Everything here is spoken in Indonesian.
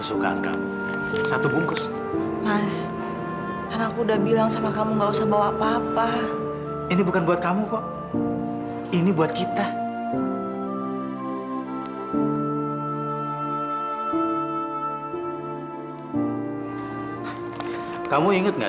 itu kan mobilnya perusahaan kalia